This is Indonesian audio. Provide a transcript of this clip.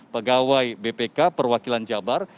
pegawai bpk perwakilan jabar